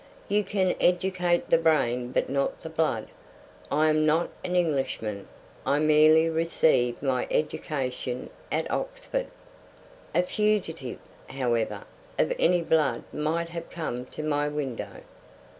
You can educate the brain but not the blood. I am not an Englishman; I merely received my education at Oxford." "A fugitive, however, of any blood might have come to my window."